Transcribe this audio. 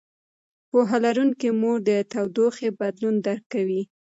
پوهه لرونکې مور د تودوخې بدلون درک کوي.